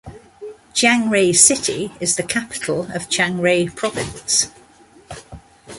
Chiang Rai City is the capital of Chiang Rai Province.